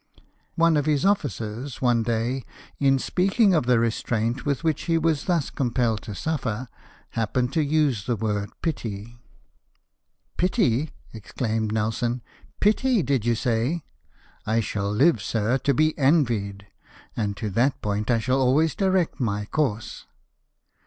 One of his officers, one day, in speaking of the restraint which he was thus compelled to suffer, happened to use the word pity !" Pity 1 " exclaimed Nelson :" Pity ! did you say ? I shall live, sir, to be envied ! and to that point I shall always direct my course."